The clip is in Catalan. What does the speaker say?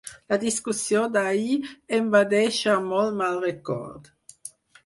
La discussió d'ahir em va deixar molt mal record.